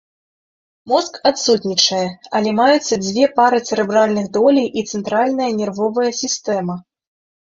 Мозг адсутнічае, але маюцца дзве пары цэрэбральных долей і цэнтральная нервовая сістэма.